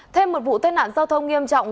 thêm một vụ thết nạn giao thông nghiêm trọng